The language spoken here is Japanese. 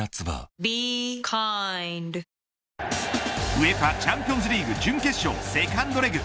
ＵＥＦＡチャンピオンズリーグ準決勝セカンドレグ。